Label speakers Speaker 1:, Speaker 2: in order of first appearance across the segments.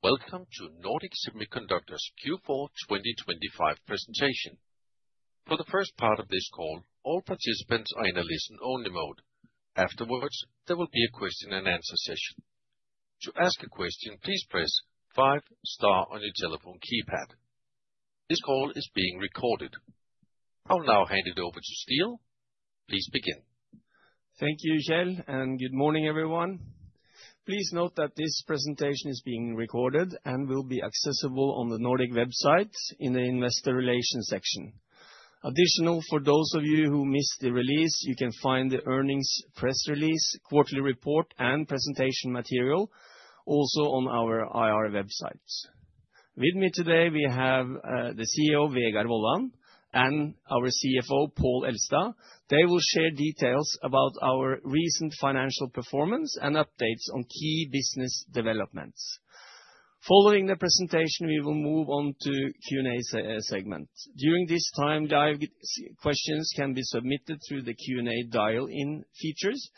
Speaker 1: Welcome to Nordic Semiconductor's Q4 2025 Presentation. For the first part of this call, all participants are in a listen-only mode. Afterwards, there will be a question-and-answer session. To ask a question, please press five star on your telephone keypad. This call is being recorded. I will now hand it over to Ståle. Please begin.
Speaker 2: Thank you, Kjetil, and good morning, everyone. Please note that this presentation is being recorded and will be accessible on the Nordic website in the Investor Relations section. Additionally, for those of you who missed the release, you can find the earnings press release, quarterly report, and presentation material also on our IR website. With me today, we have the CEO, Vegard Wollan, and our CFO, Pål Elstad. They will share details about our recent financial performance and updates on key business developments. Following the presentation, we will move on to Q&A segment. During this time, live questions can be submitted through the Q&A dial-in features.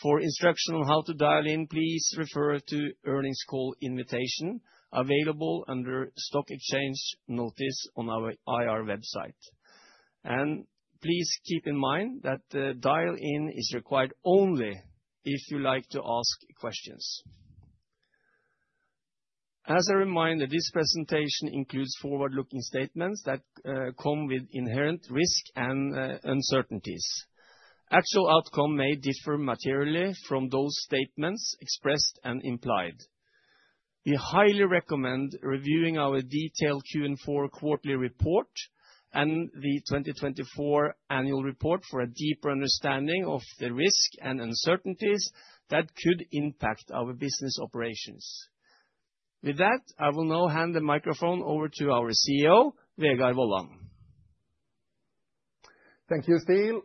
Speaker 2: For instruction on how to dial in, please refer to the earnings call invitation available under Stock Exchange Notice on our IR website. Please keep in mind that dial-in is required only if you like to ask questions. As a reminder, this presentation includes forward-looking statements that come with inherent risk and uncertainties. Actual outcome may differ materially from those statements expressed and implied. We highly recommend reviewing our detailed Q4 quarterly report and the 2024 annual report for a deeper understanding of the risk and uncertainties that could impact our business operations. With that, I will now hand the microphone over to our CEO, Vegard Wollan.
Speaker 3: Thank you, Ståle,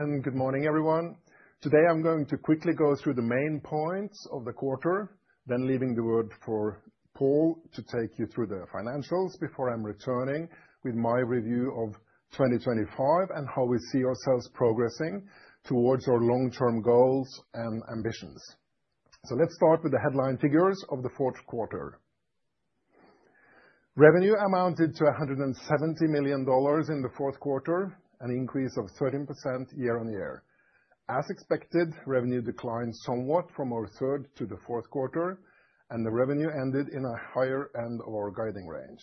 Speaker 3: and good morning, everyone. Today, I'm going to quickly go through the main points of the quarter, then leaving the floor for Pål to take you through the financials before I'm returning with my review of 2025 and how we see ourselves progressing towards our long-term goals and ambitions. So let's start with the headline figures of the fourth quarter. Revenue amounted to $170 million in the fourth quarter, an increase of 13% year-on-year. As expected, revenue declined somewhat from our third to the fourth quarter, and the revenue ended in a higher end of our guiding range.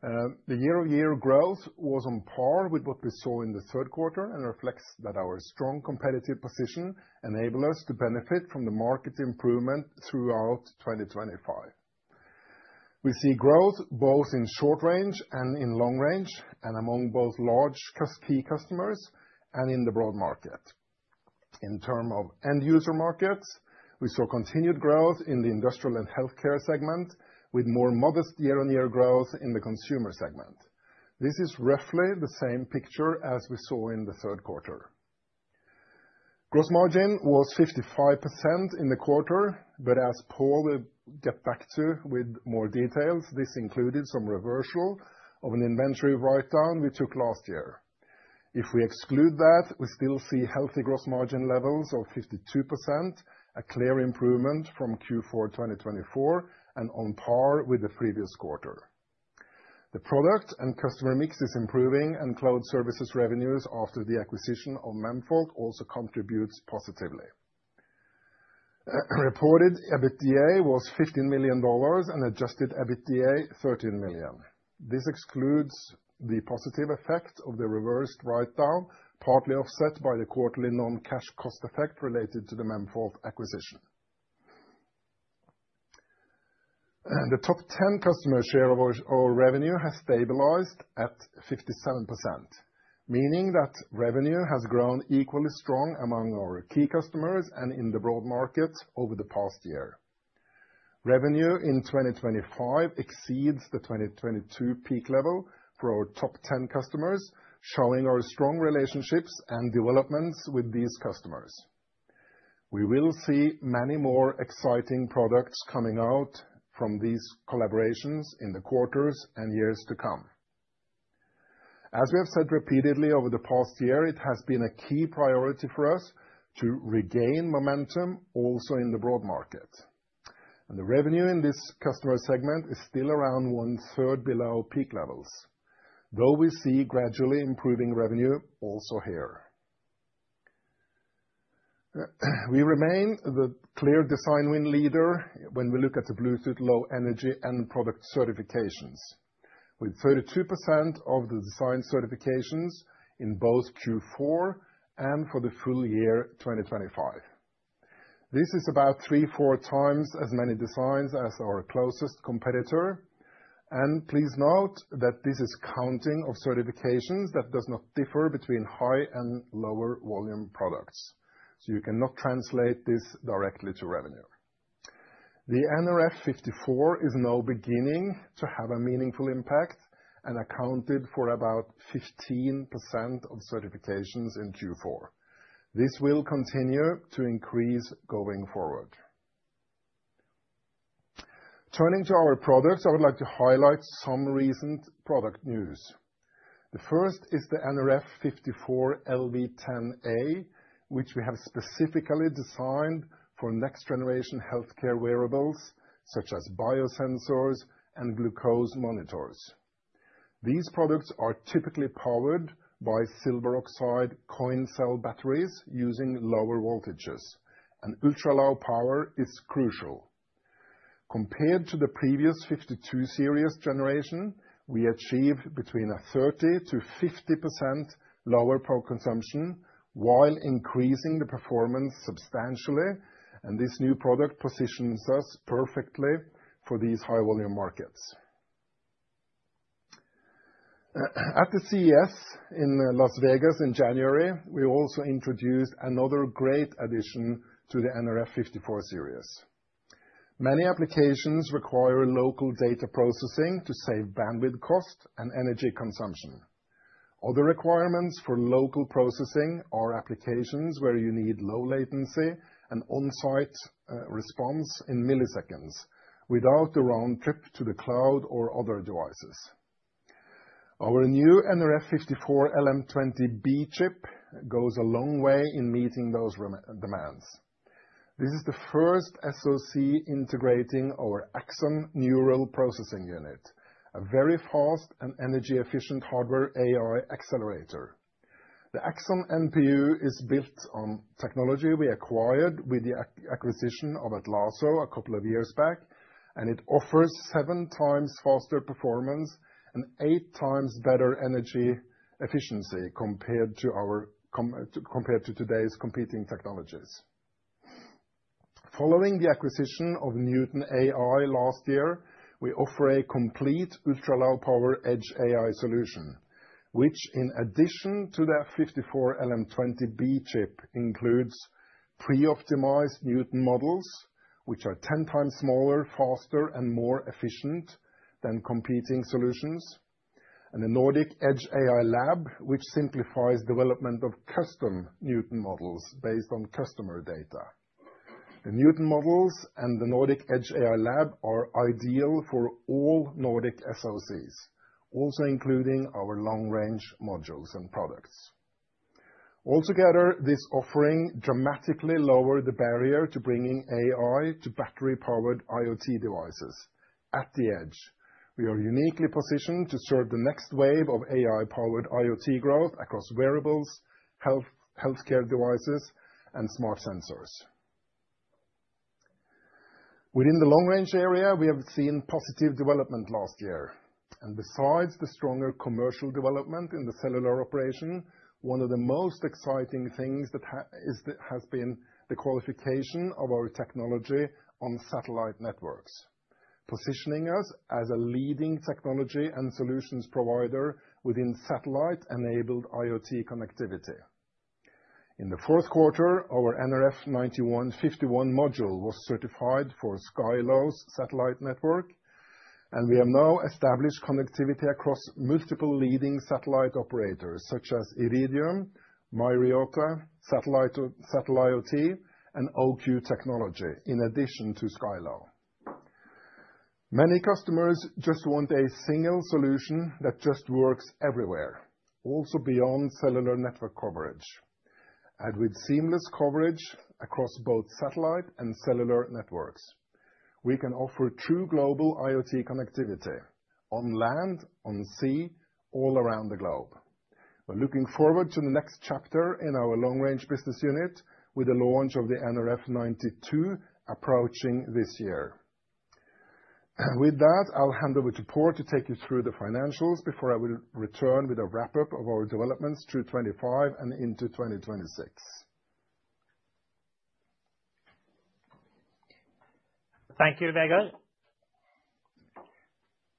Speaker 3: The year-on-year growth was on par with what we saw in the third quarter and reflects that our strong competitive position enabled us to benefit from the market improvement throughout 2025. We see growth both in short range and in long range, and among both large key customers and in the broad market. In terms of end-user markets, we saw continued growth in the industrial and healthcare segment with more modest year-on-year growth in the consumer segment. This is roughly the same picture as we saw in the third quarter. Gross margin was 55% in the quarter, but as Pål will get back to with more details, this included some reversal of an inventory write-down we took last year. If we exclude that, we still see healthy gross margin levels of 52%, a clear improvement from Q4 2024 and on par with the previous quarter. The product and customer mix is improving, and cloud services revenues after the acquisition of Memfault also contribute positively. Reported EBITDA was $15 million and Adjusted EBITDA $13 million. This excludes the positive effect of the reversed write-down, partly offset by the quarterly non-cash cost effect related to the Memfault acquisition. The top 10 customer share of our revenue has stabilized at 57%, meaning that revenue has grown equally strong among our key customers and in the broad market over the past year. Revenue in 2025 exceeds the 2022 peak level for our top 10 customers, showing our strong relationships and developments with these customers. We will see many more exciting products coming out from these collaborations in the quarters and years to come. As we have said repeatedly over the past year, it has been a key priority for us to regain momentum also in the broad market. The revenue in this customer segment is still around one-third below peak levels, though we see gradually improving revenue also here. We remain the clear design win leader when we look at the Bluetooth Low Energy and product certifications, with 32% of the design certifications in both Q4 and for the full year 2025. This is about three, four times as many designs as our closest competitor, and please note that this is counting of certifications that does not differ between high and lower volume products, so you cannot translate this directly to revenue. The nRF54 is now beginning to have a meaningful impact and accounted for about 15% of certifications in Q4. This will continue to increase going forward. Turning to our products, I would like to highlight some recent product news. The first is the nRF54LV10A, which we have specifically designed for next-generation healthcare wearables such as biosensors and glucose monitors. These products are typically powered by silver oxide coin cell batteries using lower voltages, and ultra-low power is crucial. Compared to the previous nRF52 Series generation, we achieve between 30%-50% lower power consumption while increasing the performance substantially, and this new product positions us perfectly for these high-volume markets. At the CES in Las Vegas in January, we also introduced another great addition to the nRF54 Series. Many applications require local data processing to save bandwidth cost and energy consumption. Other requirements for local processing are applications where you need low latency and on-site response in milliseconds without the round trip to the cloud or other devices. Our new nRF54LM20B chip goes a long way in meeting those demands. This is the first SoC integrating our Axon Neural Processing Unit, a very fast and energy-efficient hardware AI accelerator. The Axon NPU is built on technology we acquired with the acquisition of Atlazo a couple of years back, and it offers 7x faster performance and 8x better energy efficiency compared to today's competing technologies. Following the acquisition of Neuton.AI last year, we offer a complete ultra-low power edge AI solution, which in addition to the nRF54LM20B chip includes pre-optimized Neuton models, which are 10x smaller, faster, and more efficient than competing solutions, and the Nordic Edge AI Lab, which simplifies the development of custom Neuton models based on customer data. The Neuton models and the Nordic Edge AI Lab are ideal for all Nordic SoCs, also including our long-range modules and products. Altogether, this offering dramatically lowers the barrier to bringing AI to battery-powered IoT devices at the edge. We are uniquely positioned to serve the next wave of AI-powered IoT growth across wearables, healthcare devices, and smart sensors. Within the long-range area, we have seen positive development last year, and besides the stronger commercial development in the cellular operation, one of the most exciting things has been the qualification of our technology on satellite networks, positioning us as a leading technology and solutions provider within satellite-enabled IoT connectivity. In the fourth quarter, our nRF9151 module was certified for Skylo's satellite network, and we have now established connectivity across multiple leading satellite operators such as Iridium, Myriota, Sateliot, and OQ Technology in addition to Skylo. Many customers just want a single solution that just works everywhere, also beyond cellular network coverage, and with seamless coverage across both satellite and cellular networks. We can offer true global IoT connectivity on land, on sea, all around the globe. We're looking forward to the next chapter in our long-range business unit with the launch of the nRF92 approaching this year. With that, I'll hand over to Pål to take you through the financials before I will return with a wrap-up of our developments through 2025 and into 2026.
Speaker 4: Thank you, Vegard.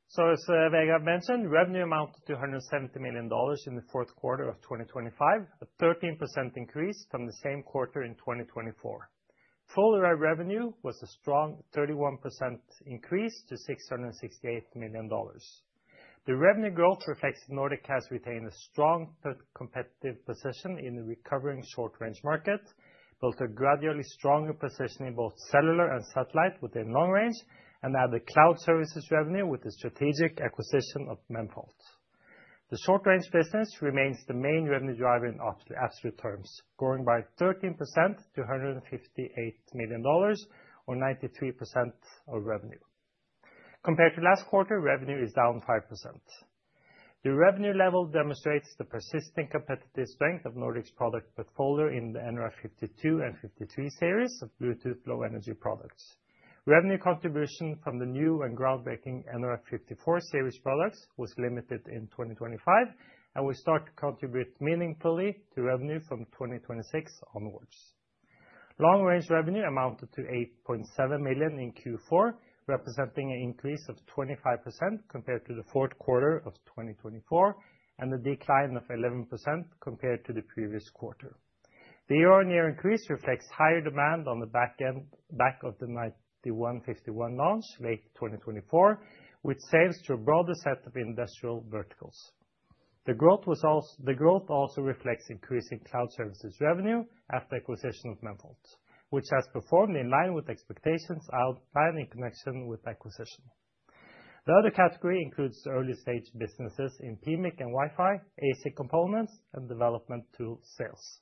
Speaker 4: So as Vegard mentioned, revenue amounted to $170 million in the fourth quarter of 2025, a 13% increase from the same quarter in 2024. Full-year revenue was a strong 31% increase to $668 million. The revenue growth reflects that Nordic has retained a strong competitive position in the recovering short-range market, built a gradually stronger position in both cellular and satellite within long range, and added cloud services revenue with the strategic acquisition of Memfault. The short-range business remains the main revenue driver in absolute terms, growing by 13% to $158 million or 93% of revenue. Compared to last quarter, revenue is down 5%. The revenue level demonstrates the persistent competitive strength of Nordic's product portfolio in the nRF52 and nRF53 series of Bluetooth Low Energy products. Revenue contribution from the new and groundbreaking nRF54 Series products was limited in 2025, and we start to contribute meaningfully to revenue from 2026 onwards. Long-range revenue amounted to $8.7 million in Q4, representing an increase of 25% compared to the fourth quarter of 2024 and a decline of 11% compared to the previous quarter. The year-on-year increase reflects higher demand on the back of the nRF9151 launch late 2024, which saves to a broader set of industrial verticals. The growth also reflects increasing cloud services revenue after acquisition of Memfault, which has performed in line with expectations outlined in connection with the acquisition. The other category includes early-stage businesses in PMIC and Wi-Fi, ASIC components, and development to sales.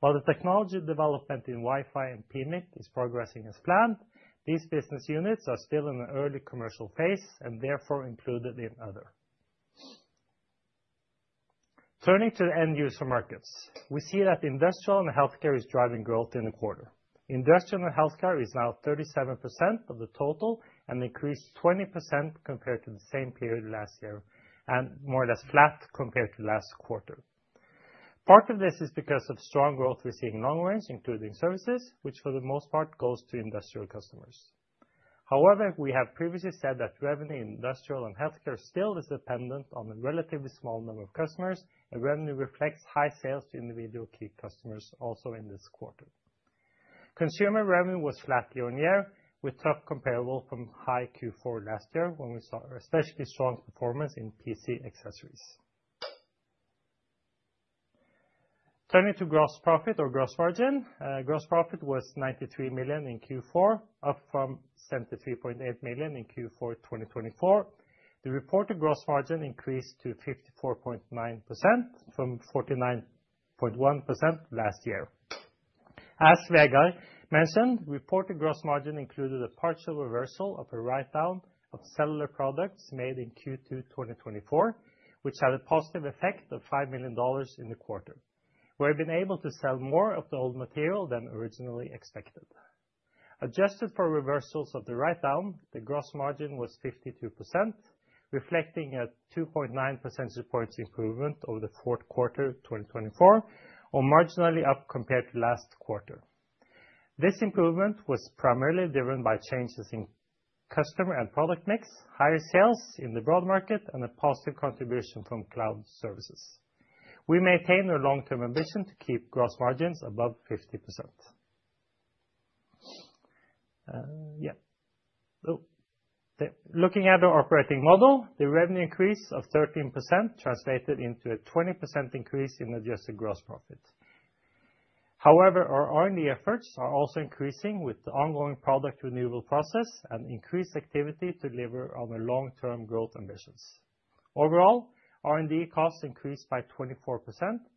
Speaker 4: While the technology development in Wi-Fi and PMIC is progressing as planned, these business units are still in an early commercial phase and therefore included in other. Turning to the end-user markets, we see that industrial and healthcare is driving growth in the quarter. Industrial and healthcare is now 37% of the total and increased 20% compared to the same period last year and more or less flat compared to last quarter. Part of this is because of strong growth we're seeing long range, including services, which for the most part goes to industrial customers. However, we have previously said that revenue in industrial and healthcare still is dependent on a relatively small number of customers, and revenue reflects high sales to individual key customers also in this quarter. Consumer revenue was flat year-on-year, with tough comparable from high Q4 last year when we saw especially strong performance in PC accessories. Turning to gross profit or gross margin, gross profit was $93 million in Q4, up from $73.8 million in Q4 2024. The reported gross margin increased to 54.9% from 49.1% last year. As Vegard mentioned, reported gross margin included a partial reversal of a write-down of cellular products made in Q2 2024, which had a positive effect of $5 million in the quarter. We have been able to sell more of the old material than originally expected. Adjusted for reversals of the write-down, the gross margin was 52%, reflecting a 2.9 percentage points improvement over the fourth quarter 2024, or marginally up compared to last quarter. This improvement was primarily driven by changes in customer and product mix, higher sales in the broad market, and a positive contribution from cloud services. We maintain our long-term ambition to keep gross margins above 50%. Looking at our operating model, the revenue increase of 13% translated into a 20% increase in adjusted gross profit. However, our R&D efforts are also increasing with the ongoing product renewal process and increased activity to deliver on our long-term growth ambitions. Overall, R&D costs increased by 24%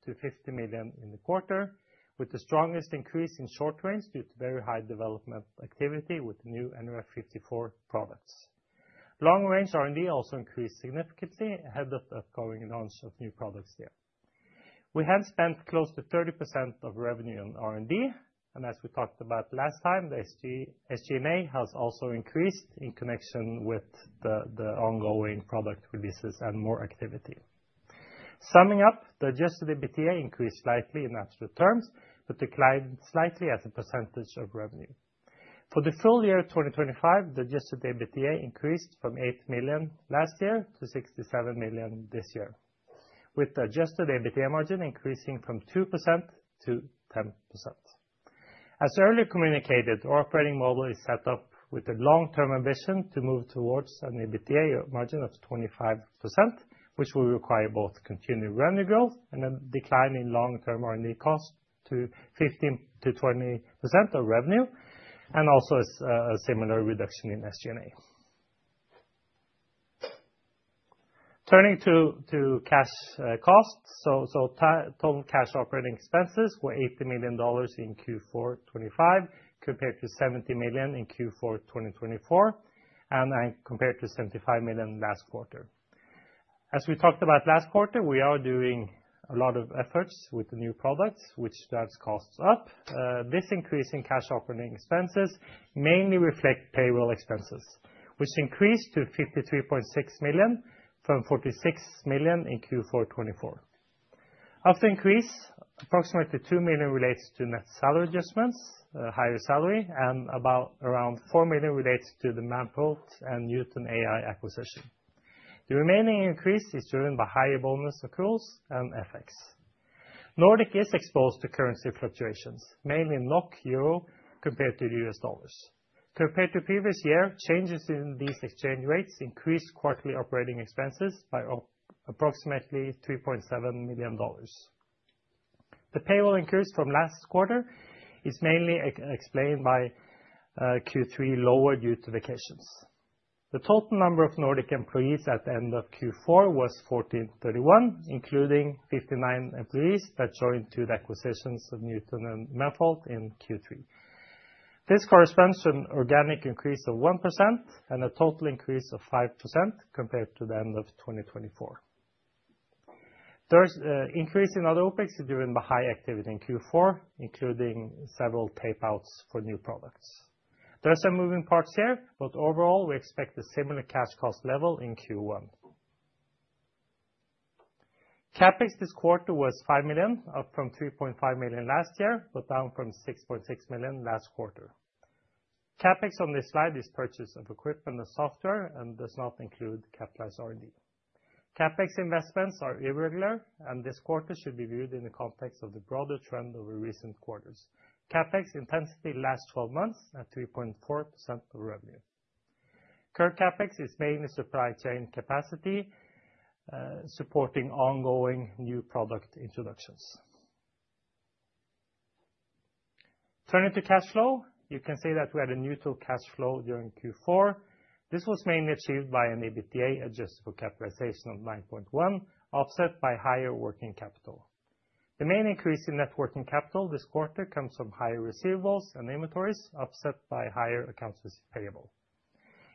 Speaker 4: to $50 million in the quarter, with the strongest increase in short range due to very high development activity with new nRF54 products. Long-range R&D also increased significantly ahead of the upcoming launch of new products there. We have spent close to 30% of revenue on R&D, and as we talked about last time, the SG&A has also increased in connection with the ongoing product releases and more activity. Summing up, the Adjusted EBITDA increased slightly in absolute terms, but declined slightly as a percentage of revenue. For the full year 2025, the Adjusted EBITDA increased from $8 million last year to $67 million this year, with the Adjusted EBITDA margin increasing from 2%-10%. As earlier communicated, our operating model is set up with a long-term ambition to move towards an EBITDA margin of 25%, which will require both continued revenue growth and a decline in long-term R&D costs to 15%-20% of revenue, and also a similar reduction in SG&A. Turning to cash costs, total cash operating expenses were $80 million in Q4 2025 compared to $70 million in Q4 2024 and compared to $75 million last quarter. As we talked about last quarter, we are doing a lot of efforts with the new products, which drives costs up. This increase in cash operating expenses mainly reflects payroll expenses, which increased to $53.6 million from $46 million in Q4 2024. Of the increase, approximately $2 million relates to net salary adjustments, higher salary, and around $4 million relates to the Memfault and Neuton.AI acquisition. The remaining increase is driven by higher bonus accruals and FX. Nordic is exposed to currency fluctuations, mainly NOK/EUR compared to the U.S. dollars. Compared to previous year, changes in these exchange rates increased quarterly operating expenses by approximately $3.7 million. The payroll increase from last quarter is mainly explained by Q3 lower due to vacations. The total number of Nordic employees at the end of Q4 was 1,431, including 59 employees that joined to the acquisitions of Neuton and Memfault in Q3. This corresponds to an organic increase of 1% and a total increase of 5% compared to the end of 2024. The increase in other OpEx is driven by high activity in Q4, including several tape-outs for new products. There are some moving parts here, but overall, we expect a similar cash cost level in Q1. CapEx this quarter was $5 million, up from $3.5 million last year, but down from $6.6 million last quarter. CapEx on this slide is purchase of equipment and software and does not include capitalized R&D. CapEx investments are irregular, and this quarter should be viewed in the context of the broader trend over recent quarters. CapEx intensity last 12 months at 3.4% of revenue. Current CapEx is mainly supply chain capacity, supporting ongoing new product introductions. Turning to cash flow, you can see that we had a neutral cash flow during Q4. This was mainly achieved by an EBITDA adjusted for capitalization of 9.1% offset by higher working capital. The main increase in net working capital this quarter comes from higher receivables and inventories, offset by higher accounts receivable.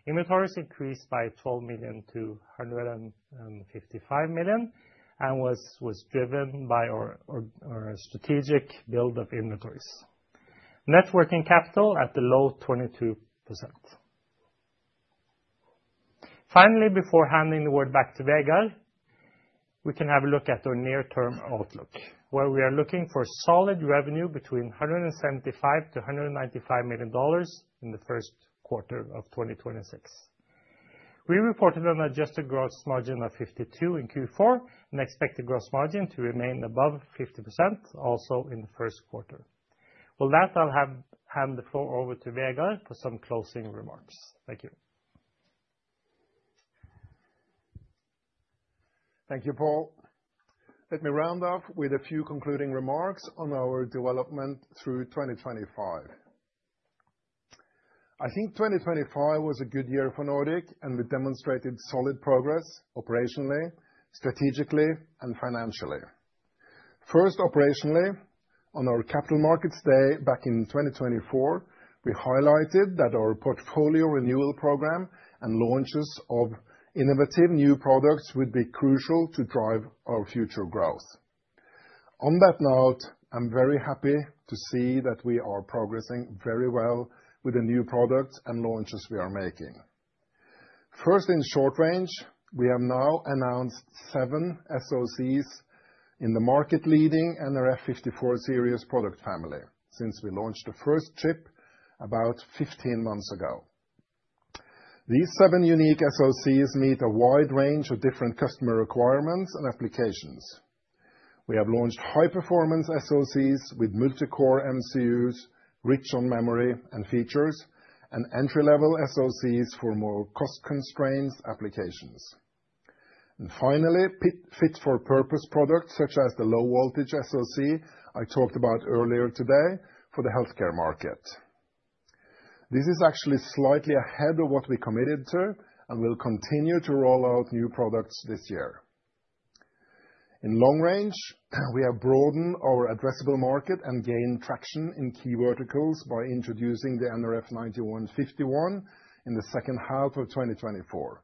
Speaker 4: Inventories increased by $12 million to $155 million and was driven by our strategic build of inventories. working capital at the low 22%. Finally, before handing the word back to Vegard, we can have a look at our near-term outlook, where we are looking for solid revenue between $175 million-$195 million in the first quarter of 2026. We reported an adjusted gross margin of 52% in Q4 and expect the gross margin to remain above 50% also in the first quarter. With that, I'll hand the floor over to Vegard for some closing remarks. Thank you.
Speaker 3: Thank you, Pål. Let me round off with a few concluding remarks on our development through 2025. I think 2025 was a good year for Nordic, and we demonstrated solid progress operationally, strategically, and financially. First, operationally, on our capital markets day back in 2024, we highlighted that our portfolio renewal program and launches of innovative new products would be crucial to drive our future growth. On that note, I'm very happy to see that we are progressing very well with the new products and launches we are making. First, in short range, we have now announced seven SoCs in the market-leading nRF54 series product family since we launched the first chip about 15 months ago. These seven unique SoCs meet a wide range of different customer requirements and applications. We have launched high-performance SoCs with multi-core MCUs, rich on memory and features, and entry-level SoCs for more cost-constrained applications. And finally, fit-for-purpose products such as the low-voltage SoC I talked about earlier today for the healthcare market. This is actually slightly ahead of what we committed to and will continue to roll out new products this year. In long range, we have broadened our addressable market and gained traction in key verticals by introducing the nRF9151 in the second half of 2024.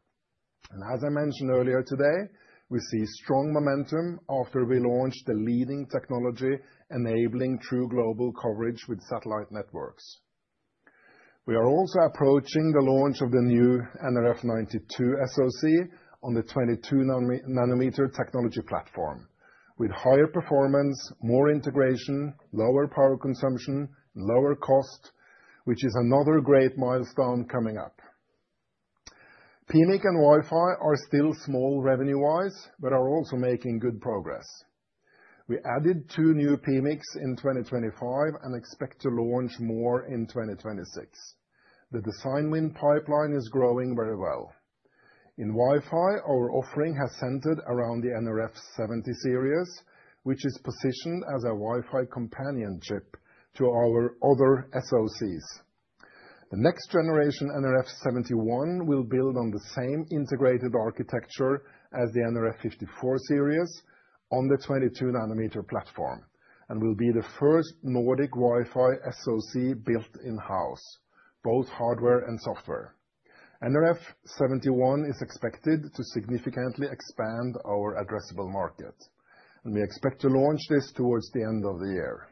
Speaker 3: And as I mentioned earlier today, we see strong momentum after we launched the leading technology enabling true global coverage with satellite networks. We are also approaching the launch of the new nRF92 SoC on the 22 nm technology platform with higher performance, more integration, lower power consumption, and lower cost, which is another great milestone coming up. PMIC and Wi-Fi are still small revenue-wise but are also making good progress. We added two new PMICs in 2025 and expect to launch more in 2026. The design win pipeline is growing very well. In Wi-Fi, our offering has centered around the nRF70 Series, which is positioned as a Wi-Fi companion chip to our other SoCs. The next generation nRF71 will build on the same integrated architecture as the nRF54 Series on the 22 nm platform and will be the first Nordic Wi-Fi SoC built in-house, both hardware and software. nRF71 is expected to significantly expand our addressable market, and we expect to launch this towards the end of the year.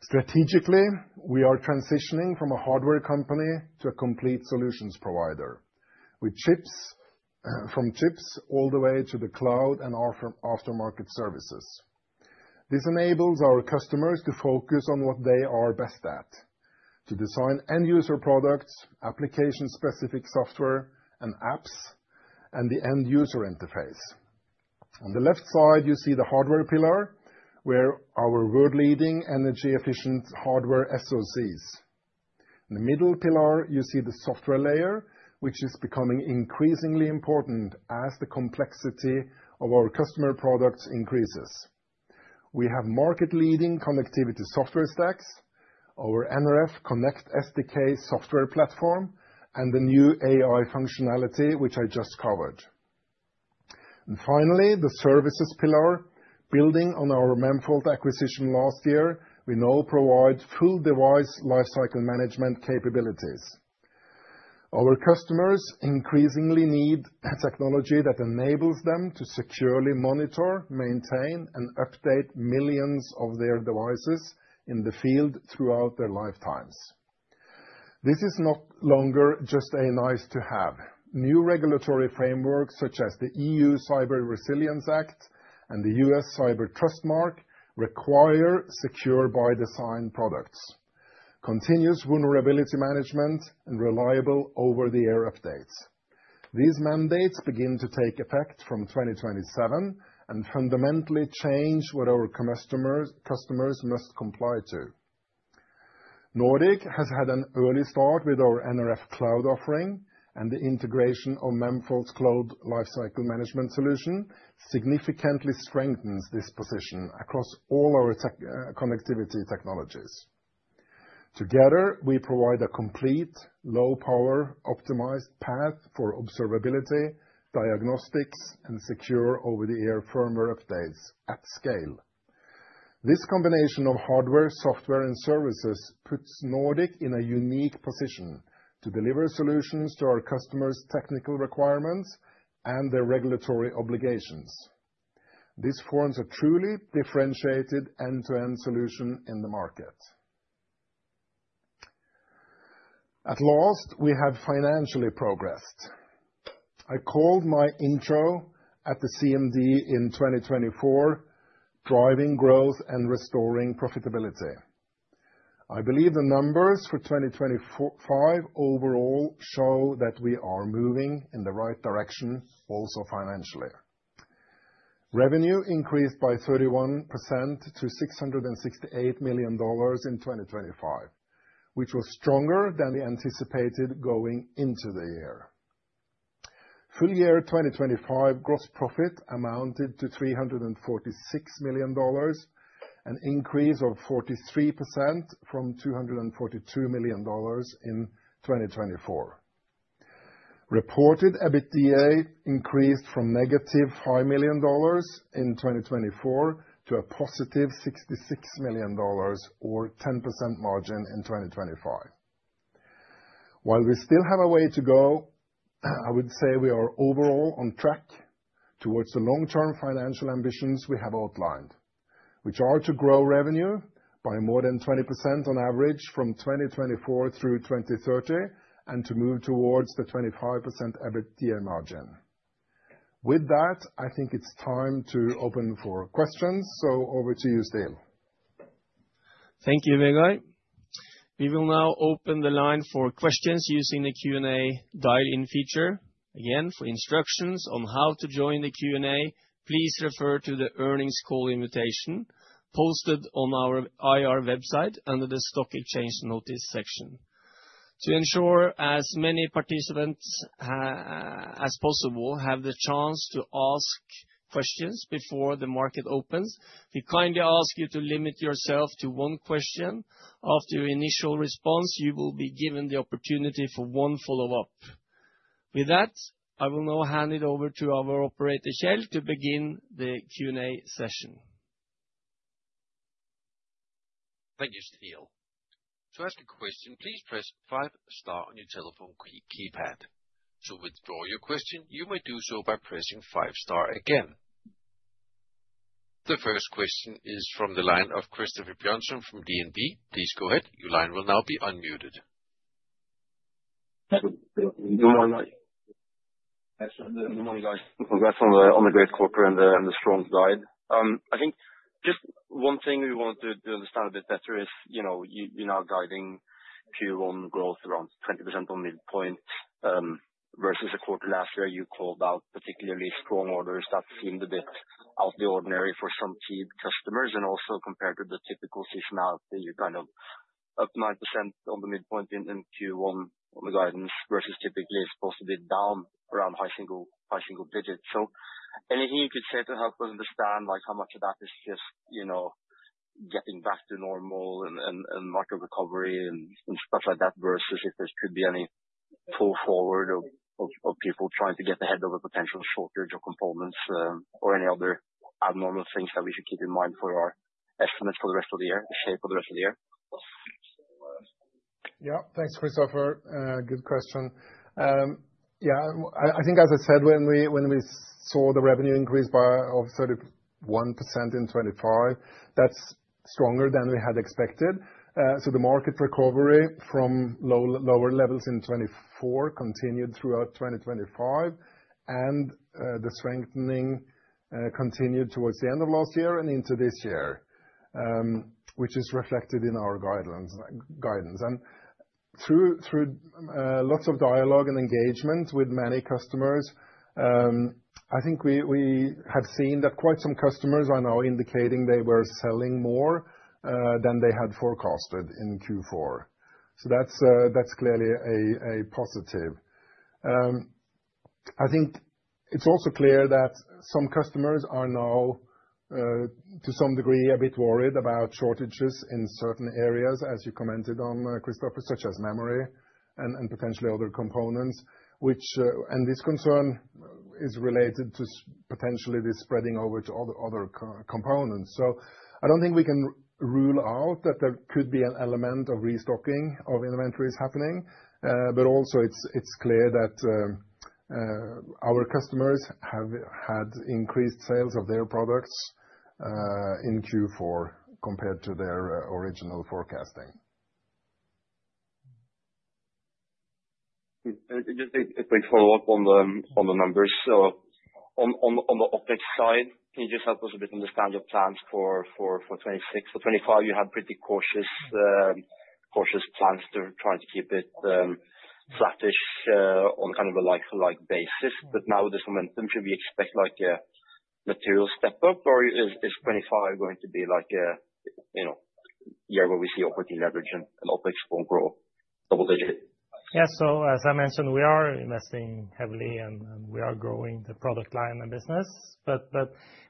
Speaker 3: Strategically, we are transitioning from a hardware company to a complete solutions provider with chips from chips all the way to the cloud and aftermarket services. This enables our customers to focus on what they are best at: to design end-user products, application-specific software and apps, and the end-user interface. On the left side, you see the hardware pillar where our world-leading energy-efficient hardware SoCs. In the middle pillar, you see the software layer, which is becoming increasingly important as the complexity of our customer products increases. We have market-leading connectivity software stacks, our nRF Connect SDK software platform, and the new AI functionality which I just covered. And finally, the services pillar, building on our Memfault acquisition last year, we now provide full device lifecycle management capabilities. Our customers increasingly need technology that enables them to securely monitor, maintain, and update millions of their devices in the field throughout their lifetimes. This is no longer just a nice-to-have. New regulatory frameworks such as the EU Cyber Resilience Act and the U.S. Cyber Trust Mark require secure-by-design products, continuous vulnerability management, and reliable over-the-air updates. These mandates begin to take effect from 2027 and fundamentally change what our customers must comply to. Nordic has had an early start with our nRF Cloud offering, and the integration of Memfault's Cloud Lifecycle Management solution significantly strengthens this position across all our connectivity technologies. Together, we provide a complete, low-power, optimized path for observability, diagnostics, and secure over-the-air firmware updates at scale. This combination of hardware, software, and services puts Nordic in a unique position to deliver solutions to our customers' technical requirements and their regulatory obligations. This forms a truly differentiated end-to-end solution in the market. At last, we have financially progressed. I called my intro at the CMD in 2024, "Driving Growth and Restoring Profitability." I believe the numbers for 2025 overall show that we are moving in the right direction, also financially. Revenue increased by 31% to $668 million in 2025, which was stronger than the anticipated going into the year. Full year 2025 gross profit amounted to $346 million, an increase of 43% from $242 million in 2024. Reported EBITDA increased from -$5 million in 2024 to a +$66 million or 10% margin in 2025. While we still have a way to go, I would say we are overall on track towards the long-term financial ambitions we have outlined, which are to grow revenue by more than 20% on average from 2024 through 2030 and to move towards the 25% EBITDA margin. With that, I think it's time to open for questions, so over to you, Ståle.
Speaker 2: Thank you, Vegard. We will now open the line for questions using the Q&A dial-in feature. Again, for instructions on how to join the Q&A, please refer to the earnings call invitation posted on our IR website under the Stock Exchange Notice section. To ensure as many participants as possible have the chance to ask questions before the market opens, we kindly ask you to limit yourself to one question. After your initial response, you will be given the opportunity for one follow-up. With that, I will now hand it over to our operator, Kjetil, to begin the Q&A session.
Speaker 1: Thank you, Ståle. To ask a question, please press five star on your telephone keypad. To withdraw your question, you may do so by pressing five star again. The first question is from the line of Christoffer Bjørnsen from DNB. Please go ahead. Your line will now be unmuted.
Speaker 5: Good morning, guys. Congrats on the great quarter and the strong guide. I think just one thing we wanted to understand a bit better is you're now guiding Q1 growth around 20% on midpoint versus a quarter last year. You called out particularly strong orders that seemed a bit out of the ordinary for some key customers and also compared to the typical seasonality. You're kind of up 9% on the midpoint in Q1 on the guidance versus typically it's supposed to be down around high single digits. Anything you could say to help us understand how much of that is just getting back to normal and market recovery and stuff like that versus if there could be any pull forward of people trying to get ahead of a potential shortage of components or any other abnormal things that we should keep in mind for our estimates for the rest of the year, the shape of the rest of the year?
Speaker 3: Yeah, thanks, Christoffer. Good question. Yeah, I think as I said, when we saw the revenue increase of 31% in 2025, that's stronger than we had expected. So the market recovery from lower levels in 2024 continued throughout 2025, and the strengthening continued towards the end of last year and into this year, which is reflected in our guidance. And through lots of dialogue and engagement with many customers, I think we have seen that quite some customers are now indicating they were selling more than they had forecasted in Q4. So that's clearly a positive. I think it's also clear that some customers are now, to some degree, a bit worried about shortages in certain areas, as you commented on, Christoffer, such as memory and potentially other components, and this concern is related to potentially this spreading over to other components. I don't think we can rule out that there could be an element of restocking of inventories happening, but also it's clear that our customers have had increased sales of their products in Q4 compared to their original forecasting.
Speaker 5: Just a quick follow-up on the numbers. So on the OpEx side, can you just help us a bit understand your plans for 2026? For 2025, you had pretty cautious plans to try to keep it flattish on kind of a like-to-like basis, but now with this momentum, should we expect a material step-up, or is 2025 going to be a year where we see opportunity leverage and OpEx will grow double-digit?
Speaker 4: Yeah, so as I mentioned, we are investing heavily, and we are growing the product line and business, but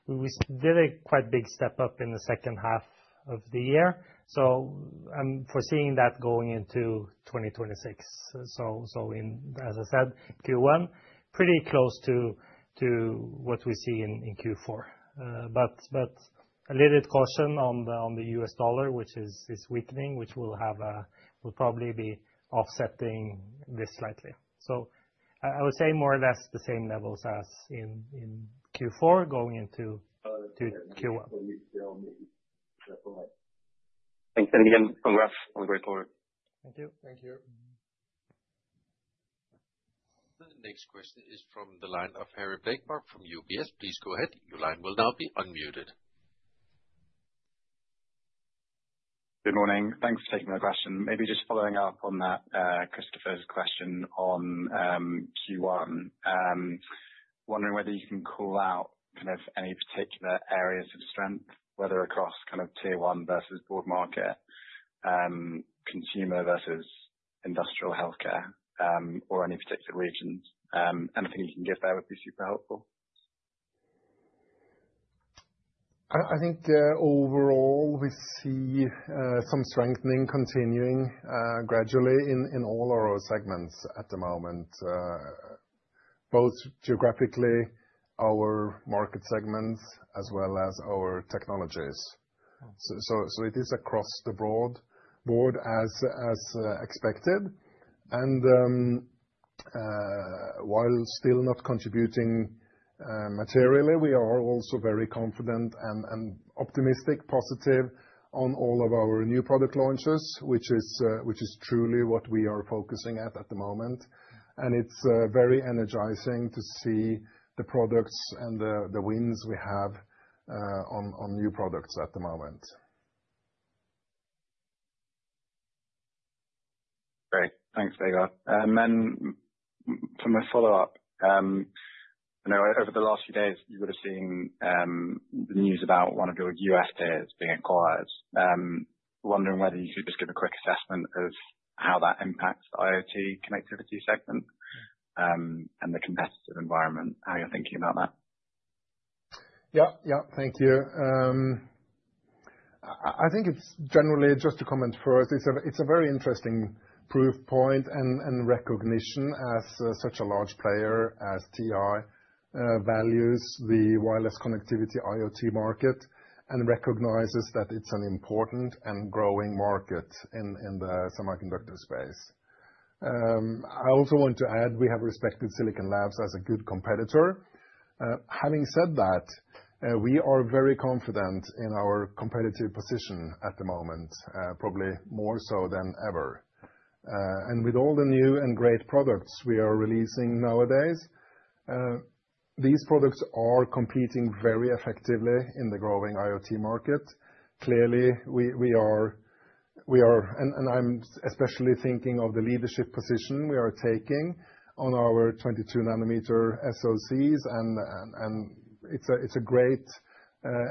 Speaker 4: we did a quite big step-up in the second half of the year. So I'm foreseeing that going into 2026. So as I said, Q1, pretty close to what we see in Q4, but a little caution on the U.S. dollar, which is weakening, which will probably be offsetting this slightly. So I would say more or less the same levels as in Q4 going into Q1.
Speaker 5: Thanks again. Congrats on the great quarter.
Speaker 3: Thank you.
Speaker 4: Thank you.
Speaker 1: The next question is from the line of Harry Blaiklock from UBS. Please go ahead. Your line will now be unmuted.
Speaker 6: Good morning. Thanks for taking my question. Maybe just following up on that Christoffer's question on Q1, wondering whether you can call out kind of any particular areas of strength, whether across kind of tier one versus broad market, consumer versus industrial healthcare, or any particular regions. Anything you can give there would be super helpful.
Speaker 3: I think overall, we see some strengthening continuing gradually in all our segments at the moment, both geographically, our market segments, as well as our technologies. It is across the board as expected. While still not contributing materially, we are also very confident and optimistic, positive, on all of our new product launches, which is truly what we are focusing at the moment. It's very energizing to see the products and the wins we have on new products at the moment.
Speaker 6: Great. Thanks, Vegard. And then for my follow-up, I know over the last few days, you would have seen the news about one of your U.S. players being acquired. Wondering whether you could just give a quick assessment of how that impacts the IoT connectivity segment and the competitive environment, how you're thinking about that?
Speaker 3: Yeah, yeah. Thank you. I think it's generally just to comment first; it's a very interesting proof point and recognition as such a large player as TI values the wireless connectivity IoT market and recognizes that it's an important and growing market in the semiconductor space. I also want to add we have respected Silicon Labs as a good competitor. Having said that, we are very confident in our competitive position at the moment, probably more so than ever. And with all the new and great products we are releasing nowadays, these products are competing very effectively in the growing IoT market. Clearly, we are and I'm especially thinking of the leadership position we are taking on our 22 nm SoCs, and it's a great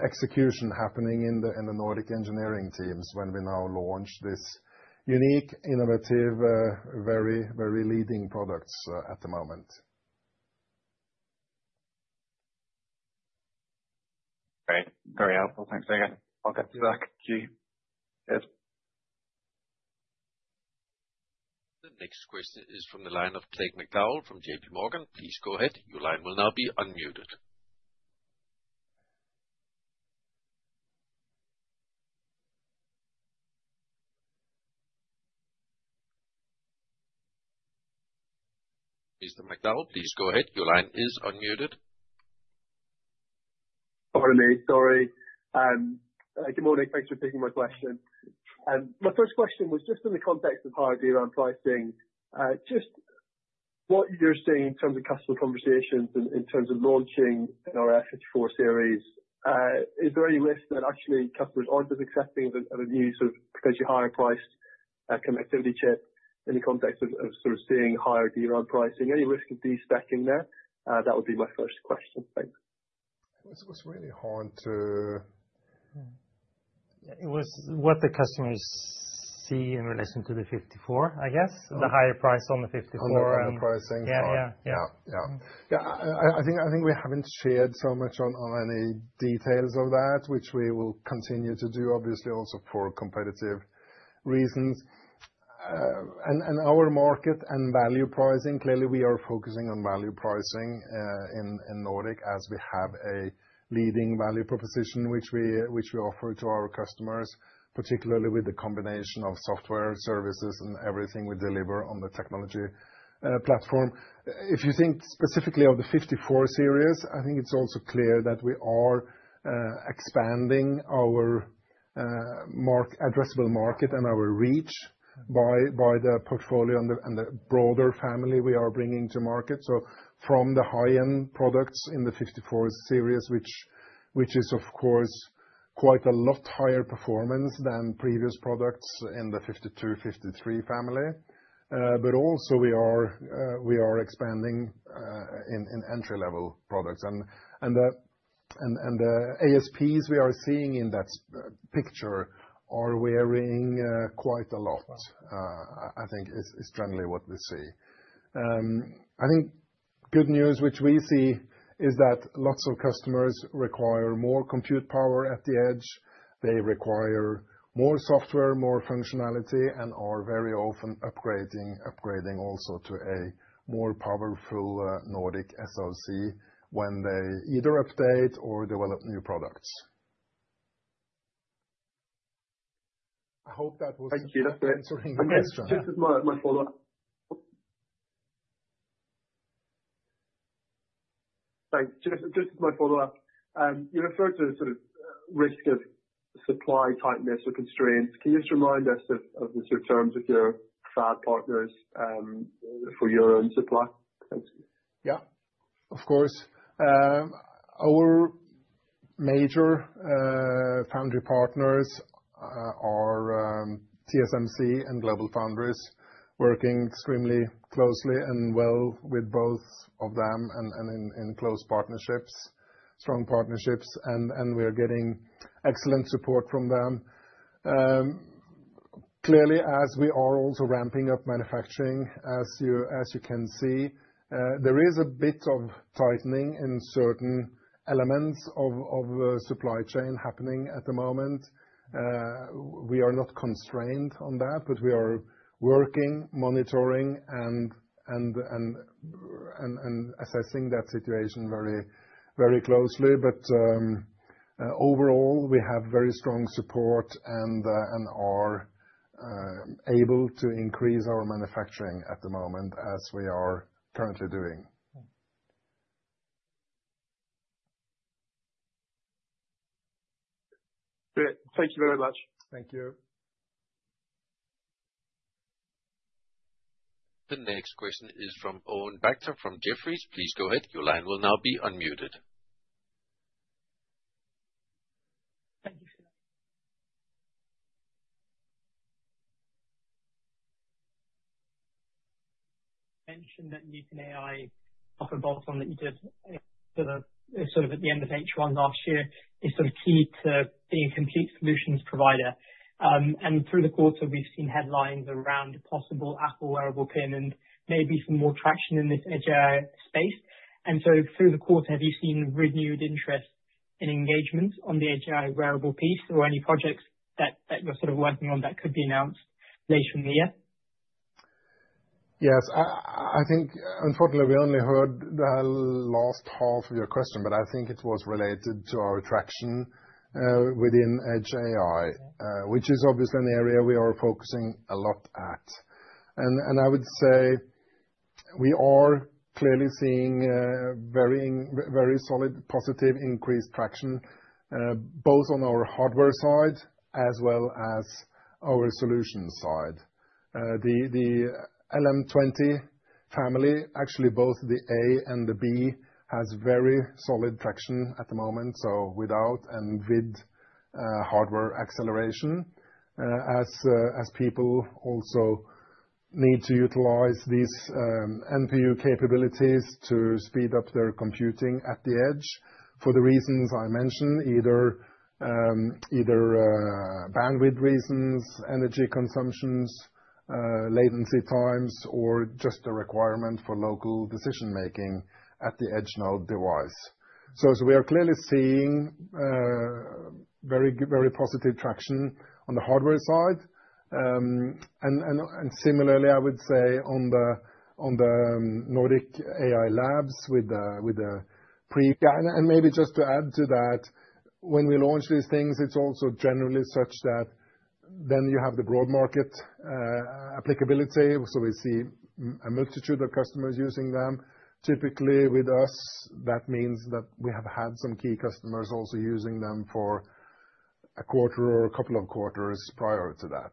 Speaker 3: execution happening in the Nordic engineering teams when we now launch these unique, innovative, very leading products at the moment.
Speaker 6: Great. Very helpful. Thanks, Vegard. I'll get back to you, Kjetil.
Speaker 1: The next question is from the line of Craig McDowell from JPMorgan. Please go ahead. Your line will now be unmuted. Mr. McDowell, please go ahead. Your line is unmuted.
Speaker 7: Sorry, mate. Sorry. Good morning. Thanks for taking my question. My first question was just in the context of higher DRAM pricing, just what you're seeing in terms of customer conversations and in terms of launching our nRF54 series, is there any risk that actually customers aren't as accepting of a new sort of potentially higher-priced connectivity chip in the context of sort of seeing higher DRAM pricing? Any risk of destecking there? That would be my first question. Thanks.
Speaker 3: What's really hard to.
Speaker 4: It was what the customers see in relation to the 54, I guess, the higher price on the 54 and.
Speaker 3: On the pricing.
Speaker 4: Yeah, yeah, yeah.
Speaker 3: Yeah, yeah. Yeah, I think we haven't shared so much on any details of that, which we will continue to do, obviously, also for competitive reasons. Our market and value pricing, clearly, we are focusing on value pricing in Nordic as we have a leading value proposition, which we offer to our customers, particularly with the combination of software, services, and everything we deliver on the technology platform. If you think specifically of the 54 series, I think it's also clear that we are expanding our addressable market and our reach by the portfolio and the broader family we are bringing to market. From the high-end products in the 54 series, which is, of course, quite a lot higher performance than previous products in the 52, 53 family, but also we are expanding in entry-level products. The ASPs we are seeing in that picture are wearing quite a lot, I think is generally what we see. I think good news, which we see, is that lots of customers require more compute power at the edge. They require more software, more functionality, and are very often upgrading also to a more powerful Nordic SoC when they either update or develop new products. I hope that was answering the question.
Speaker 7: Thank you. Just as my follow-up, you referred to sort of risk of supply tightness or constraints. Can you just remind us of the sort of terms of your fab partners for your own supply?
Speaker 3: Yeah, of course. Our major foundry partners are TSMC and GlobalFoundries, working extremely closely and well with both of them and in close partnerships, strong partnerships, and we are getting excellent support from them. Clearly, as we are also ramping up manufacturing, as you can see, there is a bit of tightening in certain elements of the supply chain happening at the moment. We are not constrained on that, but we are working, monitoring, and assessing that situation very closely. But overall, we have very strong support and are able to increase our manufacturing at the moment as we are currently doing.
Speaker 7: Great. Thank you very much.
Speaker 3: Thank you.
Speaker 1: The next question is from Om Bakhda from Jefferies. Please go ahead. Your line will now be unmuted.
Speaker 8: Thank you, Kjetil. Mentioned that Neuton.AI, off a bolt-on that you did sort of at the end of H1 last year, is sort of key to being a complete solutions provider. Through the quarter, we've seen headlines around possible Apple wearable win and maybe some more traction in this edge AI space. So through the quarter, have you seen renewed interest in engagement on the edge AI wearable piece or any projects that you're sort of working on that could be announced later in the year?
Speaker 3: Yes. I think, unfortunately, we only heard the last half of your question, but I think it was related to our traction within edge AI, which is obviously an area we are focusing a lot at. And I would say we are clearly seeing very solid, positive increased traction both on our hardware side as well as our solution side. The LM20 family, actually both the A and the B, has very solid traction at the moment, so without and with hardware acceleration, as people also need to utilize these NPU capabilities to speed up their computing at the edge for the reasons I mentioned, either bandwidth reasons, energy consumptions, latency times, or just the requirement for local decision-making at the edge node device. So we are clearly seeing very positive traction on the hardware side. And similarly, I would say on the Nordic Edge AI Lab with the pre. Yeah. Maybe just to add to that, when we launch these things, it's also generally such that then you have the broad market applicability. We see a multitude of customers using them. Typically, with us, that means that we have had some key customers also using them for a quarter or a couple of quarters prior to that.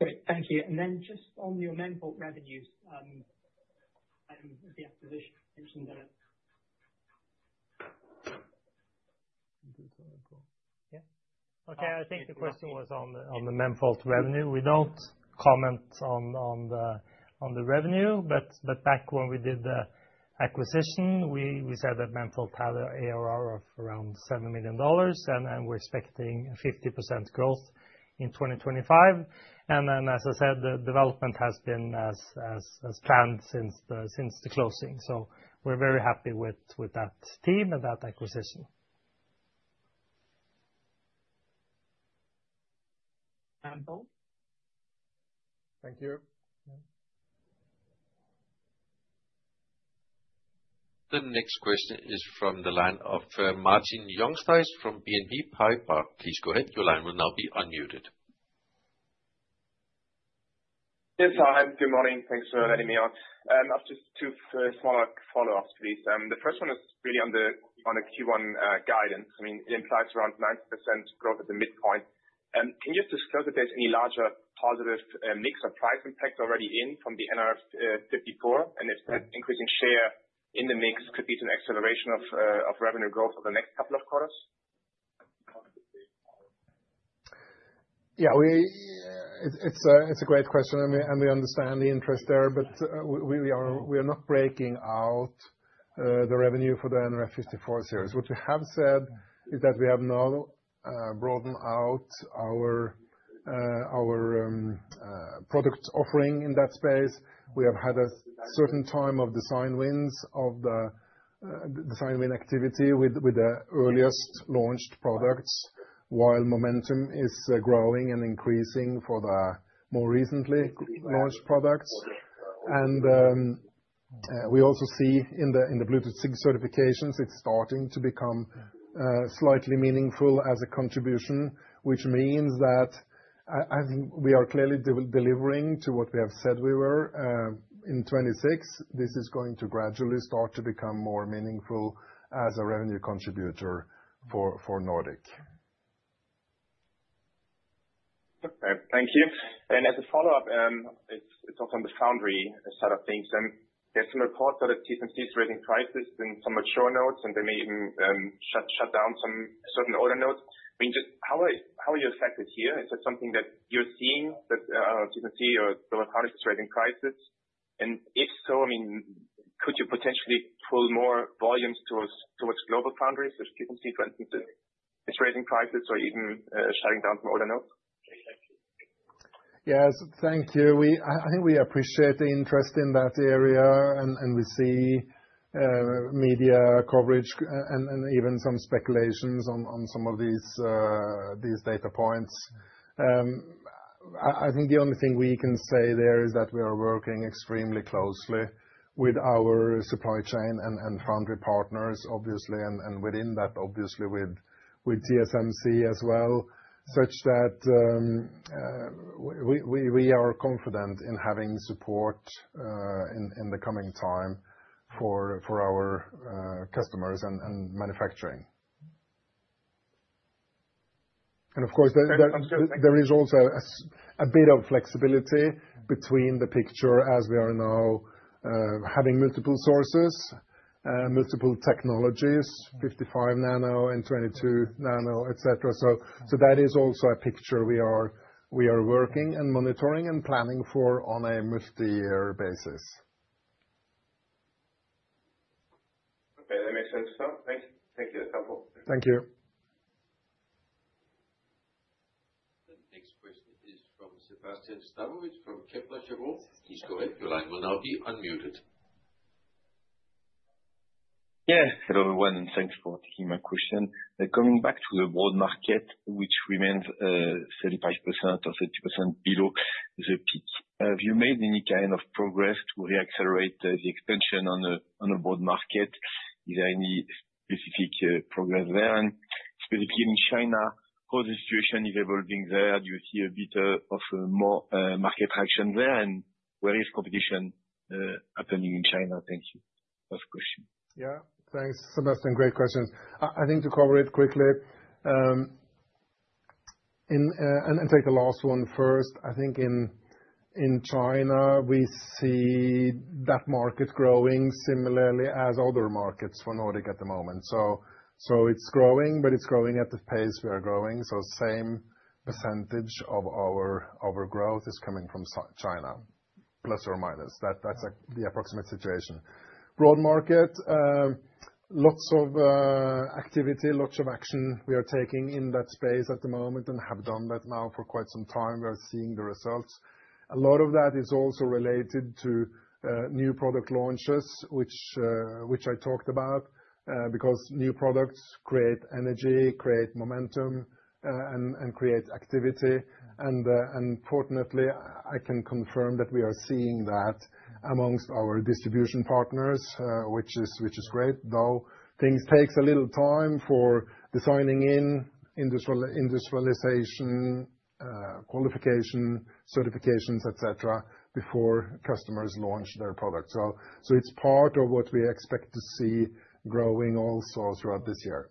Speaker 8: Great. Thank you. And then just on your Memfault revenues, the acquisition mentioned that.
Speaker 3: Technical difficulty.
Speaker 4: Yeah. Okay. I think the question was on the Memfault revenue. We don't comment on the revenue, but back when we did the acquisition, we said that Memfault had an ARR of around $7 million, and we're expecting 50% growth in 2025. And then, as I said, the development has been as planned since the closing. So we're very happy with that team and that acquisition.
Speaker 8: Thank you.
Speaker 1: The next question is from the line of Martin Jungfleisch from BNP Paribas. Please go ahead. Your line will now be unmuted.
Speaker 9: Yes, hi. Good morning. Thanks for letting me out. I have just two smaller follow-ups, please. The first one is really on the Q1 guidance. I mean, it implies around 90% growth at the midpoint. Can you just disclose if there's any larger positive mix of price impact already in from the nRF54, and if that increasing share in the mix could lead to an acceleration of revenue growth over the next couple of quarters?
Speaker 3: Yeah. It's a great question, and we understand the interest there, but we are not breaking out the revenue for the nRF54 Series. What we have said is that we have now broadened out our product offering in that space. We have had a certain time of design wins of the design win activity with the earliest launched products, while momentum is growing and increasing for the more recently launched products. And we also see in the Bluetooth 6 certifications, it's starting to become slightly meaningful as a contribution, which means that I think we are clearly delivering to what we have said we were. In 2026, this is going to gradually start to become more meaningful as a revenue contributor for Nordic.
Speaker 9: Okay. Thank you. And as a follow-up, it's also on the foundry side of things. There's some reports that TSMC is raising prices in some mature nodes, and they may even shut down some older nodes. I mean, just how are you affected here? Is that something that you're seeing, that TSMC or GlobalFoundries is raising prices? And if so, I mean, could you potentially pull more volumes towards GlobalFoundries if TSMC, for instance, is raising prices or even shutting down some older nodes?
Speaker 3: Yes. Thank you. I think we appreciate the interest in that area, and we see media coverage and even some speculations on some of these data points. I think the only thing we can say there is that we are working extremely closely with our supply chain and foundry partners, obviously, and within that, obviously, with TSMC as well, such that we are confident in having support in the coming time for our customers and manufacturing. And of course, there is also a bit of flexibility between the picture as we are now having multiple sources, multiple technologies, 55 nano and 22 nano, et cetera. So that is also a picture we are working and monitoring and planning for on a multi-year basis.
Speaker 9: Okay. That makes sense as well. Thank you. That's helpful.
Speaker 3: Thank you.
Speaker 1: The next question is from Sébastien Sztabowicz from Kepler Cheuvreux. Please go ahead. Your line will now be unmuted.
Speaker 10: Yeah. Hello, everyone. Thanks for taking my question. Coming back to the broad market, which remains 75% or 70% below the peak. Have you made any kind of progress to reaccelerate the expansion on a broad market? Is there any specific progress there? And specifically in China, how is the situation evolving there? Do you see a bit of more market traction there? And where is competition happening in China? Thank you. Last question.
Speaker 3: Yeah. Thanks, Sébastien. Great questions. I think to cover it quickly and take the last one first, I think in China, we see that market growing similarly as other markets for Nordic at the moment. So it's growing, but it's growing at the pace we are growing. So same percentage of our growth is coming from China, plus or minus. That's the approximate situation. Broad market, lots of activity, lots of action we are taking in that space at the moment and have done that now for quite some time. We are seeing the results. A lot of that is also related to new product launches, which I talked about, because new products create energy, create momentum, and create activity. Fortunately, I can confirm that we are seeing that among our distribution partners, which is great, though things take a little time for designing in, industrialization, qualification, certifications, et cetera, before customers launch their product. It's part of what we expect to see growing also throughout this year.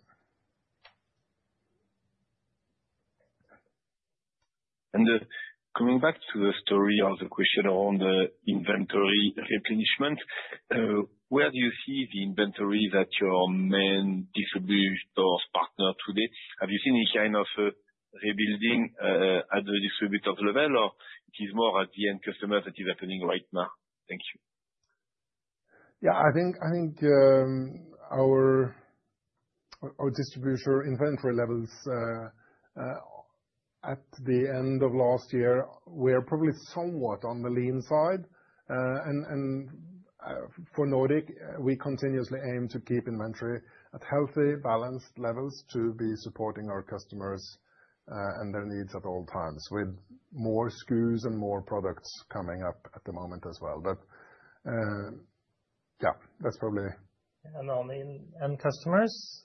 Speaker 10: Coming back to the story of the question around the inventory replenishment, where do you see the inventory that your main distributor's partner today? Have you seen any kind of rebuilding at the distributor's level, or it is more at the end customer that is happening right now? Thank you.
Speaker 3: Yeah. I think our distributor inventory levels at the end of last year, we are probably somewhat on the lean side. For Nordic, we continuously aim to keep inventory at healthy, balanced levels to be supporting our customers and their needs at all times with more SKUs and more products coming up at the moment as well. But yeah, that's probably.
Speaker 4: On end customers,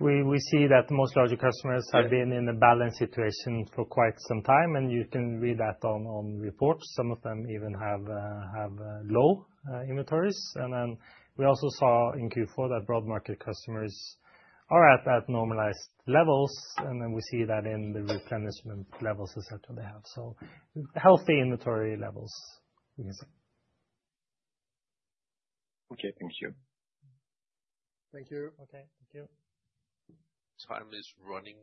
Speaker 4: we see that the largest customers have been in a balanced situation for quite some time, and you can read that on reports. Some of them even have low inventories. Then we also saw in Q4 that broad market customers are at normalized levels, and then we see that in the replenishment levels, et cetera, they have. Healthy inventory levels, we can say.
Speaker 10: Okay. Thank you.
Speaker 3: Thank you.
Speaker 4: Okay. Thank you.
Speaker 1: Time is running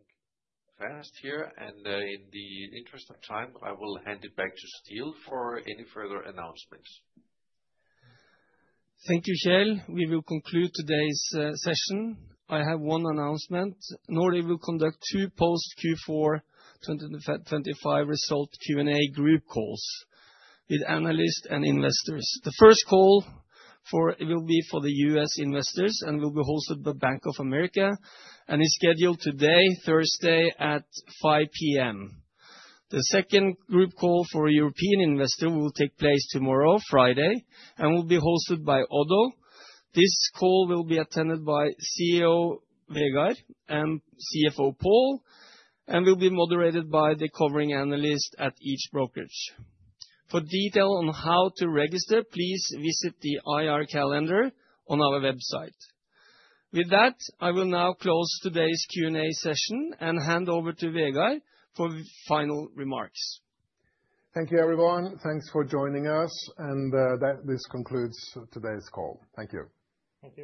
Speaker 1: fast here, and in the interest of time, I will hand it back to Ståle for any further announcements.
Speaker 2: Thank you, Kjetil. We will conclude today's session. I have one announcement. Nordic will conduct two post-Q4 2025 result Q&A group calls with analysts and investors. The first call will be for the U.S. investors and will be hosted by Bank of America, and is scheduled today, Thursday, at 5:00 P.M. The second group call for a European investor will take place tomorrow, Friday, and will be hosted by Oddo. This call will be attended by CEO Vegard and CFO Pål, and will be moderated by the covering analyst at each brokerage. For detail on how to register, please visit the IR calendar on our website. With that, I will now close today's Q&A session and hand over to Vegard for final remarks.
Speaker 3: Thank you, everyone. Thanks for joining us, and this concludes today's call. Thank you.
Speaker 4: Thank you.